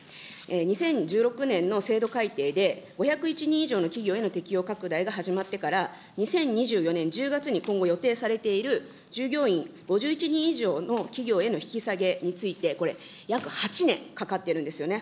２０１６年の制度改定で、５０１人以上の企業への適用拡大が始まってから、２０２４年１０月に今後予定されている、従業員５１人以上の企業への引き下げについて、これ、約８年かかってるんですよね。